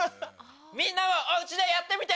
みんなもお家でやってみて！